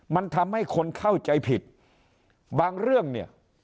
มันทำให้คนเข้าใจผิดบางเรื่องเนี่ย